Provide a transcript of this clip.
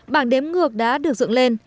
bảng đếm ngược đã được dựng lên